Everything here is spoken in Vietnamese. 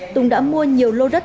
tùng đã mua nhiều lô đất